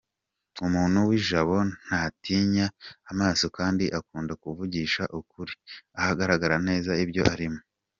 Umuntu w’ijabo ntatinya amaso kandi akunda kuvugisha ukuri ahagarara neza ku byo arimo.